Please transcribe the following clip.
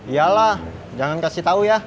yalah jangan kasih tau ya